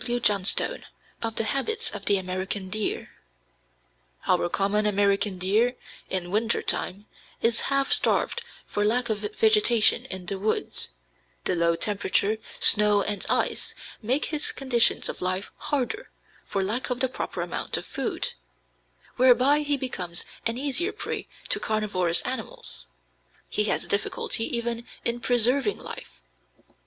W. Johnstone, of the habits of the American deer: "Our common American deer, in winter time, is half starved for lack of vegetation in the woods; the low temperature, snow, and ice, make his conditions of life harder for lack of the proper amount of food, whereby he becomes an easier prey to carnivorous animals. He has difficulty even in preserving life.